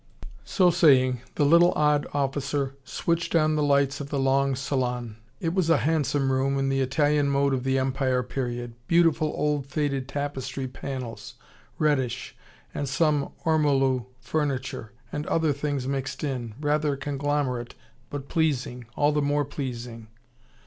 So saying, the little, odd officer switched on the lights of the long salon. It was a handsome room in the Italian mode of the Empire period beautiful old faded tapestry panels reddish and some ormolu furniture and other things mixed in rather conglomerate, but pleasing, all the more pleasing.